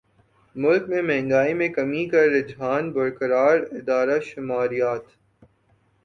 ملک میں مہنگائی میں کمی کا رجحان برقرار ادارہ شماریات